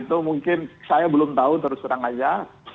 itu mungkin saya belum tahu terus terang saja